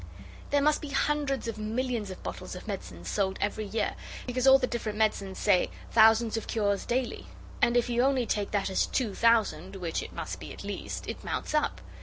'There must be hundreds of millions of bottles of medicines sold every year. Because all the different medicines say, "Thousands of cures daily," and if you only take that as two thousand, which it must be, at least, it mounts up.